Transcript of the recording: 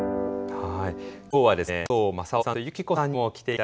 はい。